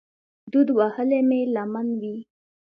دود وهلې مې لمن وي